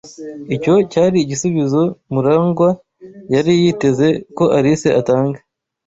Icyo cyari igisubizo Murangwa yari yiteze ko Alice atanga.